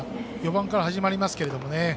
４番から始まりますけどね。